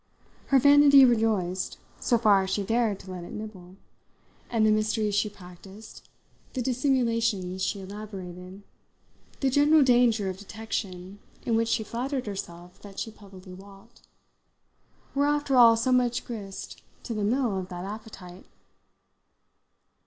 Her vanity rejoiced, so far as she dared to let it nibble, and the mysteries she practised, the dissimulations she elaborated, the general danger of detection in which she flattered herself that she publicly walked, were after all so much grist to the mill of that appetite.